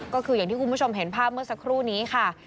ก็คืออย่างที่คุณผู้ชมเห็นภาพเมื่อสักครู่นี้ค่ะ